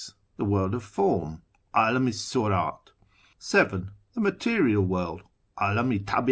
The World of Form (Alam i HUrat). 7. The' Material World (Alam i Tahfat).